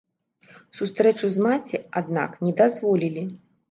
Сустрэчу з маці, аднак, не дазволілі.